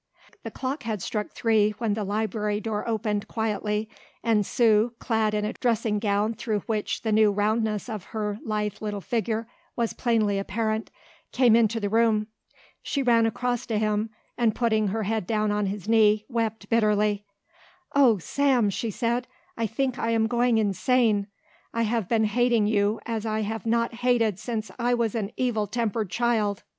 The clock had struck three when the library door opened quietly and Sue, clad in a dressing gown through which the new roundness of her lithe little figure was plainly apparent, came into the room. She ran across to him and putting her head down on his knee wept bitterly. "Oh, Sam!" she said, "I think I am going insane. I have been hating you as I have not hated since I was an evil tempered child.